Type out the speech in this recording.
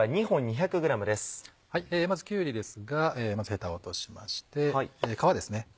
まずきゅうりですがまずヘタを落としまして皮ですね